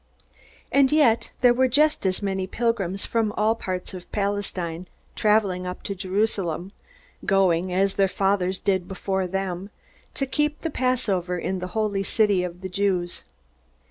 And yet there were just as many pilgrims from all parts of Palestine traveling up to Jerusalem, going, as their fathers did before them, to keep the Passover in the holy city of the Jews.